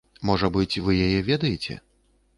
Можа быць, вы яе ведаеце?